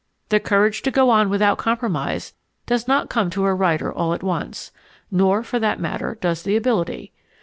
The courage to go on without compromise does not come to a writer all at once nor, for that matter, does the ability.